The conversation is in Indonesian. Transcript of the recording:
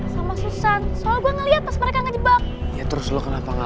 sampai jumpa di video selanjutnya